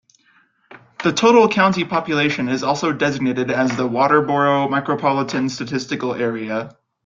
The total county population is also designated as the Walterboro Micropolitan Statistical Area.